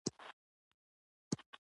هغوی د پوښتنې ځواب نه ورکاوه.